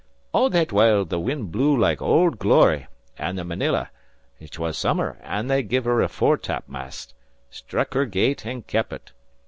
All that whoile the wind blew like ould glory, an' the Marilla 'twas summer, and they'd give her a foretopmast struck her gait and kept ut.